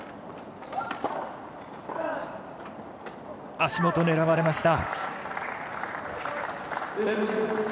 足元、狙われました。